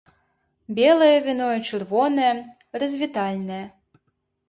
Белае віно і чырвонае, развітальнае.